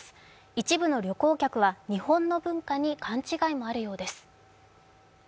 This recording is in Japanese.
一部の旅行客は日本の文化に勘違いもあるようです。